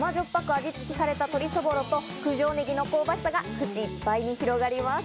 味つけされた鶏そぼろと九条ネギの香ばしさが口いっぱいに広がります。